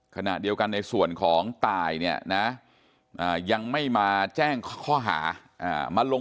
ขณะเดียวกันในส่วนของตายเนี่ยนะยังไม่มาแจ้งข้อหามาลง